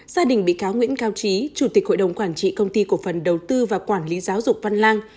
gia đình bị cáo nguyễn cao trí chủ tịch hội đồng quản trị công ty cổ phần đầu tư và quản lý giáo dục văn lang